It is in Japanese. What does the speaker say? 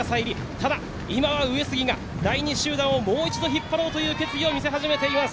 ただ、今は上杉が第２集団をもう一度引っ張ろうという決意を見せ始めようとしています。